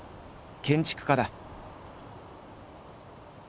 建築家だ。